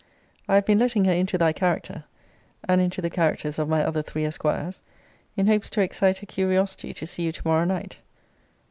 I have been letting her into thy character, and into the characters of my other three esquires, in hopes to excite her curiosity to see you to morrow night.